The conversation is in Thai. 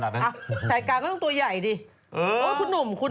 โอลี่คัมรี่ยากที่ใครจะตามทันโอลี่คัมรี่ยากที่ใครจะตามทัน